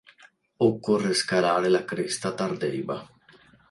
Occorre scalare la cresta Tardeiba.